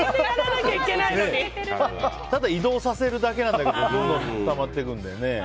ただ、移動させるだけなんだけどたまっていくんだよね。